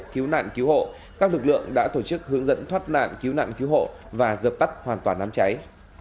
cứu nạn cứu hộ các lực lượng đã tổ chức hướng dẫn thoát nạn cứu nạn cứu hộ và dập tắt hoàn toàn đám cháy